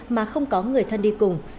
mà không có người thân đi cùng